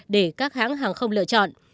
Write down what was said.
để các hãng hàng không lựa chọn